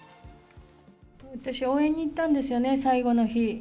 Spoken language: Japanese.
私は応援に行ったんですよね、最後の日。